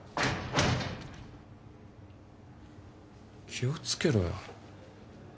・気を付けろよ。